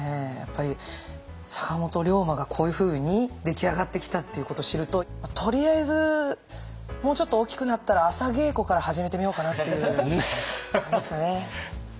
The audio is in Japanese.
坂本龍馬がこういうふうに出来上がってきたっていうことを知るととりあえずもうちょっと大きくなったら朝稽古から始めてみようかなっていう感じですかね。